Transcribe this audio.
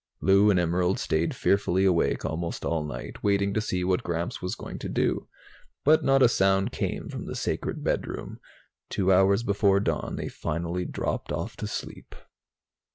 Lou and Emerald stayed fearfully awake almost all night, waiting to see what Gramps was going to do. But not a sound came from the sacred bedroom. Two hours before dawn, they finally dropped off to sleep.